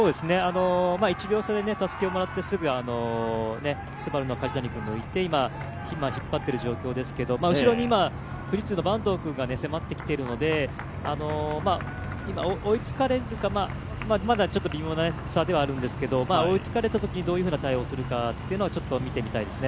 １秒差でたすきをもらってすぐＳＵＢＡＲＵの梶谷君と今、引っ張っているような状況ですけど後ろに富士通の坂東君が迫ってきているので今、追いつかれるか、まだちょっと微妙な差ではあるんですけど、追いつかれたときにどういう対応をするかちょっと見てみたいですね。